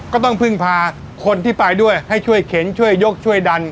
ก็ต้องพึ่งพาคนที่ไปด้วยให้ช่วยเข็นช่วยยกช่วยดัน